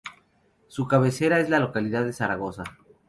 Su cabecera es la localidad de Zaragoza.